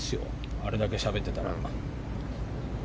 あれだけしゃべってたら。